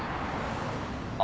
あ。